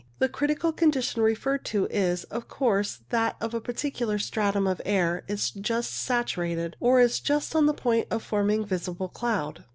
The critical condition referred to is, of course, that in which a particular stratum of air is just saturated, or is just on the point of forming visible cloud.